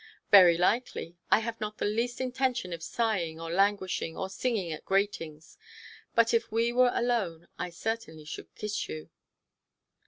"Very likely! I have not the least intention of sighing or languishing or singing at gratings. But if we were alone I certainly should kiss you."